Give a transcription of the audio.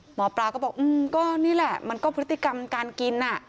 หมอปลาก็บอกก็นี่แหละมันก็พฤติกรรมการกิน